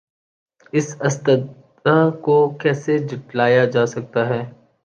اس استدعاکو کیسے جھٹلایا جاسکتاہے؟